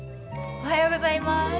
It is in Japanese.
おはようございます。